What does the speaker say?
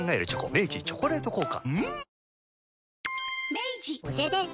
明治「チョコレート効果」